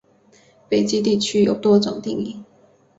北极地区有多种定义。